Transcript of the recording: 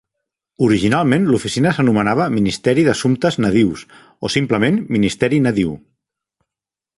Originalment l'oficina s'anomenava Ministeri d'Assumptes Nadius, o simplement Ministeri Nadiu.